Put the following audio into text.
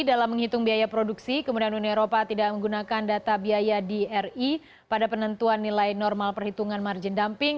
dalam menghitung biaya produksi kemudian uni eropa tidak menggunakan data biaya di ri pada penentuan nilai normal perhitungan margin dumping